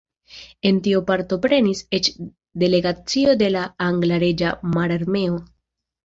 En tio partoprenis eĉ delegacio de la angla Reĝa Mararmeo.